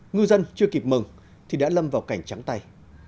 ngư dân chưa kịp mừng thì đã lâm vào cảnh trắng tay